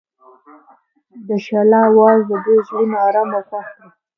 د شعله اواز د دوی زړونه ارامه او خوښ کړل.